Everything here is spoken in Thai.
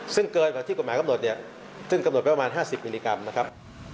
ซึ่งเกินกว่าที่กฎหมายกำหนดเนี่ยซึ่งกำหนดไว้ประมาณ๕๐มิลลิกรัมนะครับ